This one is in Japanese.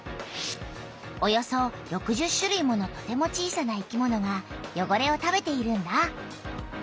およそ６０種類ものとても小さな生きものがよごれを食べているんだ。